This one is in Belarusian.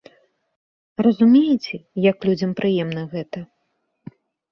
Разумееце, як людзям прыемна гэта?